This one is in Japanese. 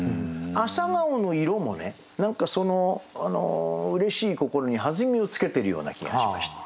朝顔の色もね何かそのうれしい心に弾みをつけてるような気がしました。